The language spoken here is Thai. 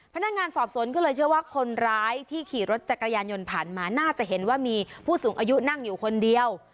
พนักงานสอบสวนก็เลยเชื่อว่าคนร้ายที่ขี่รถจักรยานยนต์ผ่านมาน่าจะเห็นว่ามีผู้สูงอายุนั่งอยู่คนเดียว